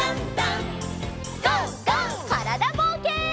からだぼうけん。